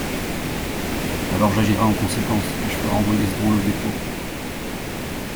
Alors j'agirai en conséquence et je ferai envoyer ce drôle au dépôt.